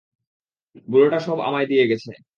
বুড়োটা সব আমায় দিয়ে গেছে।